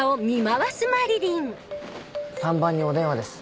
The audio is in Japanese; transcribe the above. ３番にお電話です